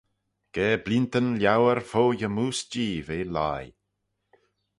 Ga bleeantyn liauyr fo ymmoose Jee v'eh lhie.